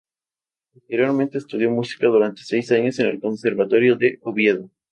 Posteriormente estudió música durante seis años en el conservatorio de Oviedo.